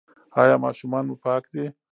ایا ماشومان مو پاک دي؟